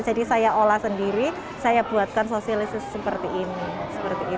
jadi saya olah sendiri saya buatkan sosialisasi seperti ini